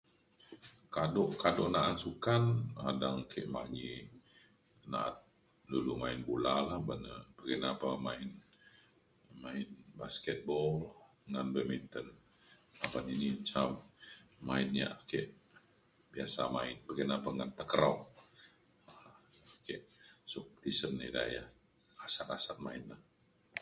kado kado na’an sukan adang ke manyi na’at dulu main bula la ban na pekina pa main main basketball ngan badminton uban ini ca main ia’ ake biasa main pekina pekina pa ngan takraw suk tisen ia’ kasa kasa main na